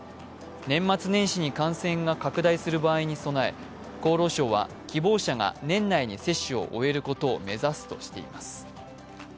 年末年始に感染が拡大する場合に備え、厚労省は希望者が年内に接種を終えることを目指すとしています。